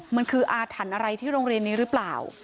มันคืออาถรรพ์อะไรที่โรงเรียนนี้หรือเปล่า